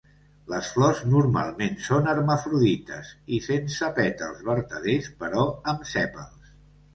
Les flors normalment són hermafrodites i sense pètals vertaders, però amb sèpals.